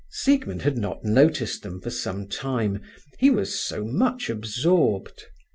Siegmund had not noticed them for some time, he was so much absorbed.